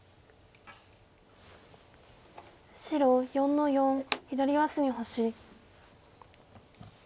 白４の四左上隅星。